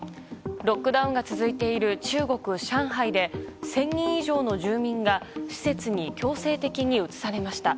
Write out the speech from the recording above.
ロックダウンが続いている中国・上海で１０００人以上の住民が施設に強制的に移されました。